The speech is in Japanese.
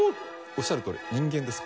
おっしゃるとおり人間です